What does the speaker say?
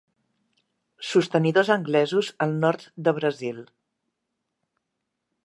Sostenidors anglesos al nord de Brasil.